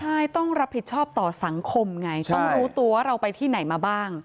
ใช่ต้องรับผิดชอบต่อสังคมไงต้องรู้ตัวว่าเราไปที่ไหนมาบ้าง